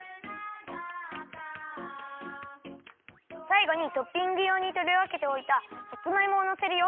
さいごにトッピングようにとりわけておいたさつまいもをのせるよ。